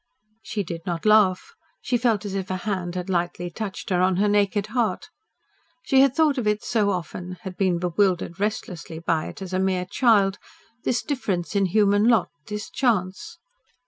She did not laugh. She felt as if a hand had lightly touched her on her naked heart. She had thought of it so often had been bewildered restlessly by it as a mere child this difference in human lot this chance.